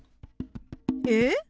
え